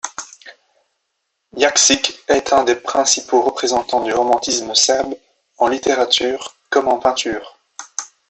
Jakšić est un des principaux représentants du romantisme serbe, en littérature comme en peinture.